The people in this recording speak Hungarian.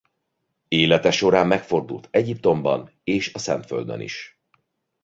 Élete során megfordult Egyiptomban és a Szentföldön is.